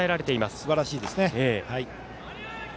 すばらしいですね。